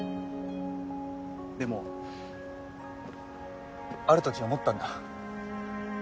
でもある時思ったんだ。